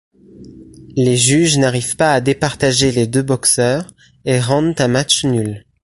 Les juges n'arrivent pas à départager les deux boxeurs et rendent un match nul.